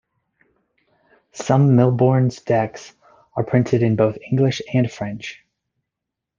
Some Mille Bornes decks are printed in both English and French.